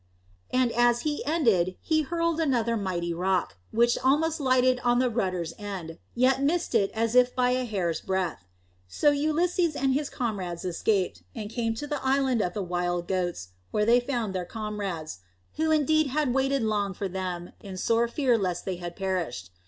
And as he ended he hurled another mighty rock, which almost lighted on the rudder's end, yet missed it as if by a hair's breadth. So Ulysses and his comrades escaped, and came to the island of the wild goats, where they found their comrades, who indeed had waited long for them, in sore fear lest they had perished.